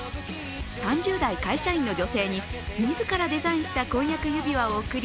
３０代、会社員の女性に自らデザインした婚約指輪を贈り